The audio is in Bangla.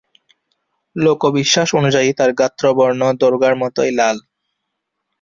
লোকবিশ্বাস অনুযায়ী, তার গাত্রবর্ণ দুর্গার মতোই লাল।